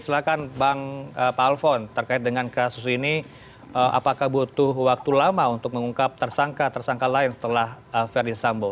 silahkan bang pak alfon terkait dengan kasus ini apakah butuh waktu lama untuk mengungkap tersangka tersangka lain setelah ferdis sambo